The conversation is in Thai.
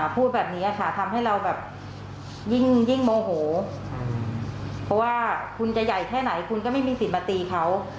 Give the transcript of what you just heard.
พูดแบบนี้ค่ะทำให้เราแบบยิ่งโมโหเพราะว่าคุณจะใหญ่แค่ไหนคุณก็ไม่มีสิทธิ์มาตีเขา